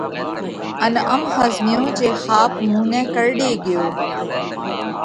ان ام ۿزميو جي ۿاپ مُون نئہ ڪرڙي ڳيوه۔